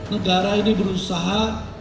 negara ini berusaha